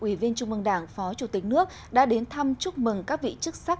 ủy viên trung mương đảng phó chủ tịch nước đã đến thăm chúc mừng các vị chức sắc